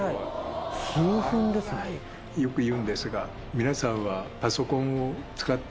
よく言うんですが皆さんは。